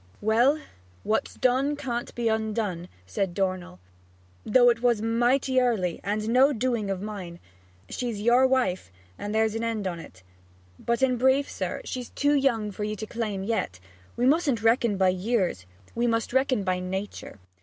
'Well, what's done can't be undone,' said Dornell, 'though it was mighty early, and was no doing of mine. She's your wife; and there's an end on't. But in brief, sir, she's too young for you to claim yet; we mustn't reckon by years; we must reckon by nature.